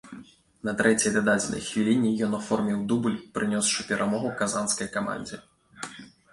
На трэцяй дададзенай хвіліне ён аформіў дубль, прынёсшы перамогу казанскай камандзе.